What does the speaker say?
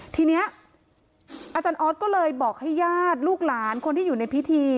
ทีนี้อาจารย์ออสก็เลยบอกให้ญาติลูกหลานคนที่อยู่ในพิธี